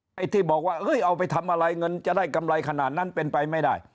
ไอ้ที่บอกว่าเอาไปทำอะไรเงินจะได้กำไรขนาดนั้นเป็นไปไม่ได้